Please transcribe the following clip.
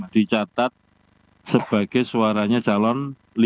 dicatat sebagai suaranya calon lima